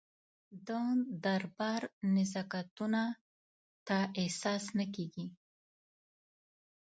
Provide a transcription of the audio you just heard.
د دربار نزاکتونه ته احساس نه کېږي.